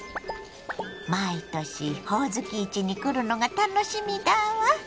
毎年ほおずき市に来るのが楽しみだわ。